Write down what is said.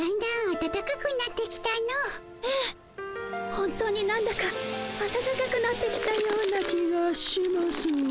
本当になんだかあたたかくなってきたような気がします。